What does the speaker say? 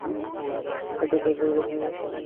এতটা ব্যবধান ছিল!